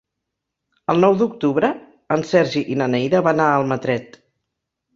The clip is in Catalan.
El nou d'octubre en Sergi i na Neida van a Almatret.